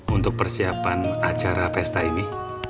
untuk persiapan acara pesta ini